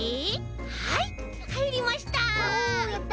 はいはいりました！